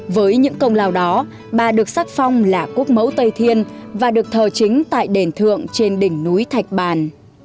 với những công lao đó bà được xác phong là quốc mẫu tây thiên và được thờ chính tại đền thượng trên đỉnh núi thạch bàn